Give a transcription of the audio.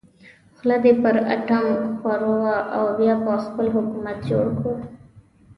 خوله دې پر اتام ښوروه او بیا به خپل حکومت جوړ کړو.